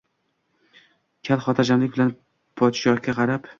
Kal xotirjamlik bilan podshoga qarab